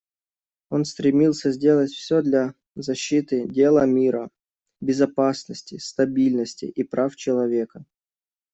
Он стремился сделать все для защиты дела мира, безопасности, стабильности и прав человека.